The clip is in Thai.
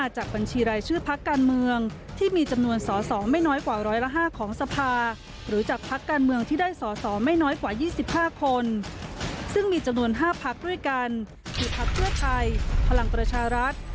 จอบประเด็นจากรอยงานครับ